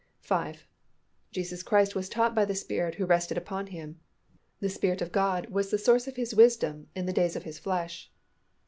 5. _Jesus Christ was taught by the Spirit who rested upon Him. The Spirit of God was the source of His wisdom in the days of His flesh.